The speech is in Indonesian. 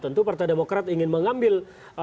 tentu partai demokrat ingin mengambil